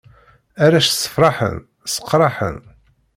Arrac ssefṛaḥen, sseqṛaḥen.